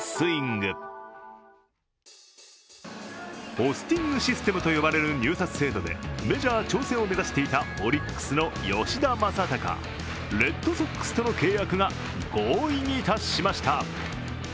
ポスティングシステムと呼ばれる入札制度でメジャー挑戦を目指していたオリックスの吉田正尚、レッドソックスとの契約が合意に達しました。